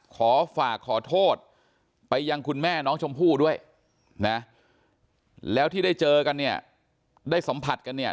ขอฝากขอโทษไปยังคุณแม่น้องชมพู่ด้วยนะแล้วที่ได้เจอกันเนี่ยได้สัมผัสกันเนี่ย